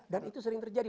dan itu sering terjadi